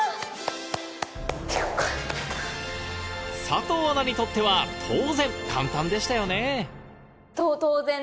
佐藤アナにとっては当然簡単でしたよね